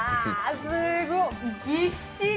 すごっぎっしり！